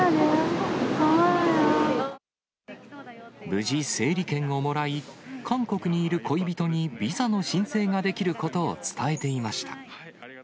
無事、整理券をもらい、韓国にいる恋人にビザの申請ができることを伝えていました。